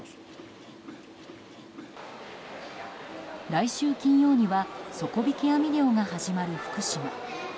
来週金曜には底引き網漁が始まる福島。